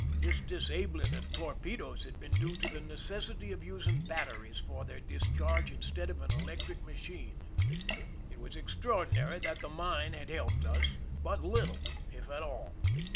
This disabling of torpedoes had been due to the necessity of using batteries for their discharges instead of an electric machine. It was extraordinary that the mine had helped us but little, if a.t all.